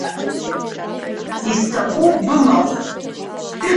Исҭахуп бымахә.